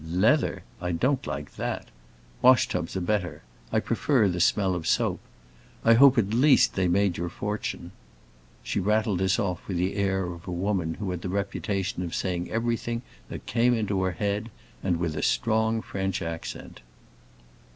"Leather? I don't like that. Wash tubs are better. I prefer the smell of soap. I hope at least they made your fortune." She rattled this off with the air of a woman who had the reputation of saying everything that came into her head, and with a strong French accent.